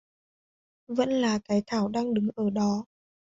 Vẫn là cái thảo đang đứng ở đó